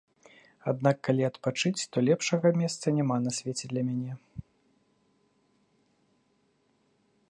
Аднак калі адпачыць, то лепшага месца няма на свеце для мяне.